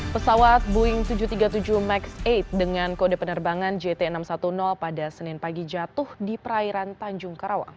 pesawat boeing tujuh ratus tiga puluh tujuh max delapan dengan kode penerbangan jt enam ratus sepuluh pada senin pagi jatuh di perairan tanjung karawang